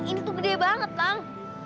ini tuh gede banget kang